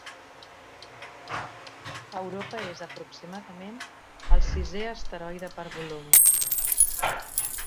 Europa és aproximadament el sisè asteroide per volum.